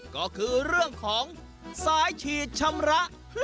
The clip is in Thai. ก็คือเรื่องของสายฉีดชำระ